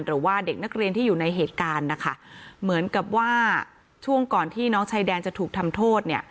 หรือว่าเด็กนักเรียนที่อยู่ในเหตุการณ์นะคะเหมือนกับว่าช่วงก่อนที่น้องชายแดนจะถูกทำโทษเนี่ย